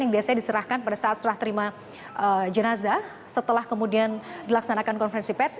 yang biasanya diserahkan pada saat setelah terima jenazah setelah kemudian dilaksanakan konferensi pers